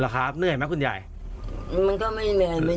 คืออะไร